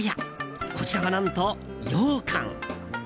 こちらは何と、ようかん。